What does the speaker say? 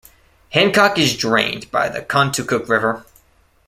Hancock is drained by the Contoocook River.